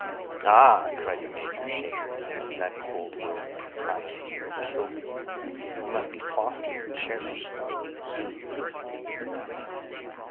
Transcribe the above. "Ah!" cried the major, shaking his head, "that cold word propriety will kill him; he must be fostered, cherished, soothed."